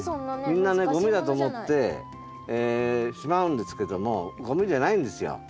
みんなゴミだと思ってしまうんですけどもゴミじゃないんですよ。